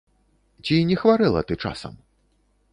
Ці не хварэла ты часам?